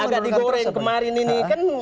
agak digoreng kemarin ini